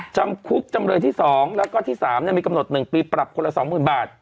จำคุกจำเลยที่๒แล้วก็ที่๓มีกำหนด๑ปีปรับคนละ๒๐๐๐บาท